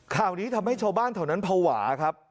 ข่าวนี้ทำให้ชาวบ้านแถวนั้นภาวะครับ